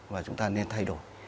và chúng ta nên thay đổi